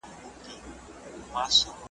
په لویه جرګه کي د رسنیو استازي څوک دي؟